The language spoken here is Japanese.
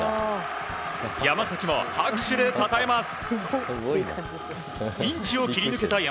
山崎も拍手でたたえます。